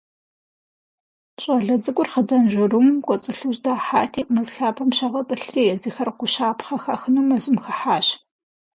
Щӏалэ цӏыкӏур хъыданжэрумэм кӏуэцӏылъу здахьати, мэз лъапэм щагъэтӏылъри, езыхэр гущапхъэ хахыну мэзым хыхьащ.